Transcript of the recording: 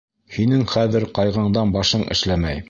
Һинең хәҙер ҡайғыңдан башың эшләмәй.